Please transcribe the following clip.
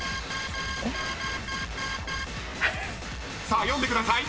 ［さあ読んでください］